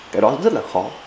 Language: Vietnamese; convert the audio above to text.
cái đó rất là khó